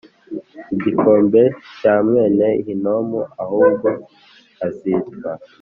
igikombe cya mwene Hinomu ahubwo hazitwa